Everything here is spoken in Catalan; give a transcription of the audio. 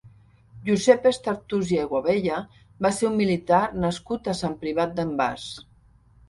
Josep Estartús i Aiguabella va ser un militar nascut a Sant Privat d'en Bas.